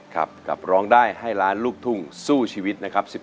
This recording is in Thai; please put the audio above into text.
กับร้องได้ให้ล้านลูกทุ่งสู้ชีวิตนะครับ